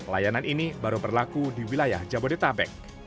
layanan ini baru berlaku di wilayah jabodetabek